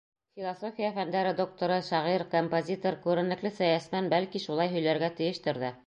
Философия фәндәре докторы, шағир, композитор, күренекле сәйәсмән, бәлки, шулай һөйләргә тейештер ҙә.